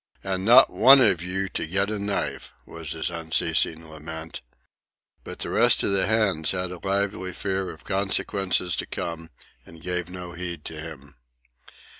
"And not one of you to get a knife!" was his unceasing lament. But the rest of the hands had a lively fear of consequences to come and gave no heed to him.